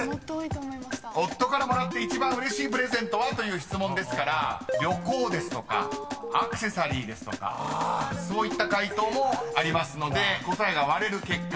［夫からもらって一番うれしいプレゼントは？という質問ですから旅行ですとかアクセサリーですとかそういった回答もありますので答えが割れる結果